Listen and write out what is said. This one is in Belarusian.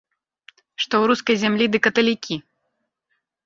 Што ў рускай зямлі ды каталікі!